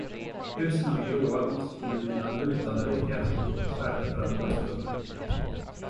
Husen hade gråa, mosslupna, lutande väggar, som tycktes färdiga att ramla omkull.